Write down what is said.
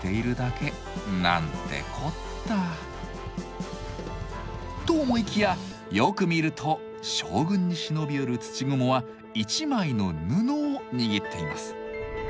何てこった。と思いきやよく見ると将軍に忍び寄る土蜘蛛は一枚の布を握っています。